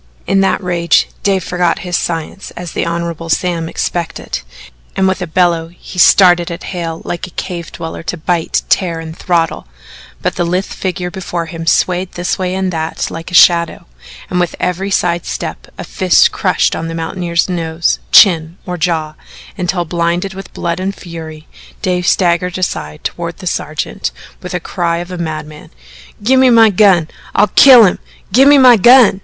In that rage Dave forgot his science as the Hon. Sam expected, and with a bellow he started at Hale like a cave dweller to bite, tear, and throttle, but the lithe figure before him swayed this way and that like a shadow, and with every side step a fist crushed on the mountaineer's nose, chin or jaw, until, blinded with blood and fury, Dave staggered aside toward the sergeant with the cry of a madman: "Gimme my gun! I'll kill him! Gimme my gun!"